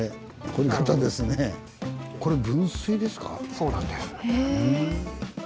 そうなんです。